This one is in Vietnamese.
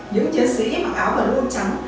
những chiến sĩ mặc áo và lô trắng